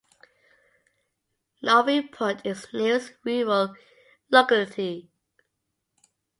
Novy Put is the nearest rural locality.